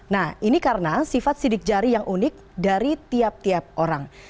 nah ini karena sifat sidik jari yang unik dari tiap tiap orang